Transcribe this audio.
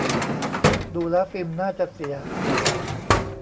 ดูแล้วฟิล์มน่าจะเสีย